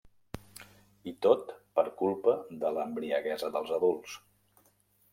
I tot per culpa de l'embriaguesa dels adults.